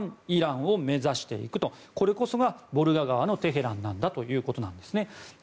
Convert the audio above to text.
イランを目指していくとこれこそがボルガ川のテヘランなんだということなんですね。